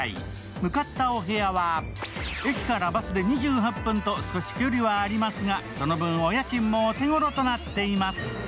向かったお部屋は駅からバスで２８分と少し距離はありますが、その分、お家賃もお手ごろとなっています。